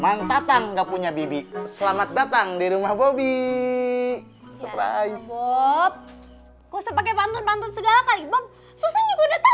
mantap tangga punya bibit selamat datang di rumah bobby surprise pop kok sepakai bantuan bantuan